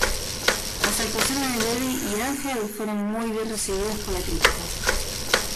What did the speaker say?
Las actuaciones de Levi y Angel fueron muy bien recibidas por la crítica.